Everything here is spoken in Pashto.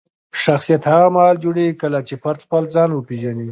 شخصیت هغه مهال جوړېږي کله چې فرد خپل ځان وپیژني.